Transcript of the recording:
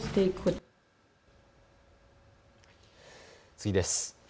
次です。